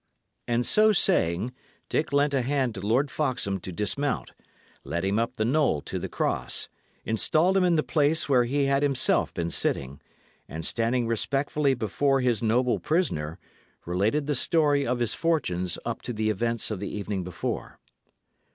And so saying, Dick lent a hand to Lord Foxham to dismount; led him up the knoll to the cross; installed him in the place where he had himself been sitting; and standing respectfully before his noble prisoner, related the story of his fortunes up to the events of the evening before.